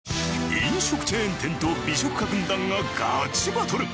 飲食チェーン店と美食家軍団がガチバトル！